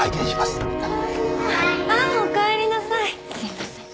すいません。